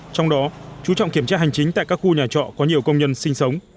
trong đó chú trọng kiểm tra hành chính tại các khu nhà trọ có nhiều công nhân sinh sống